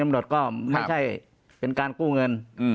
ปากกับภาคภูมิ